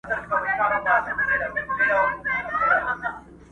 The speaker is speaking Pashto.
پخوا به سترګه سوځېدله د بابا له ږیري.!